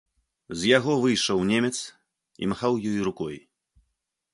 З яго выйшаў немец і махаў ёй рукой.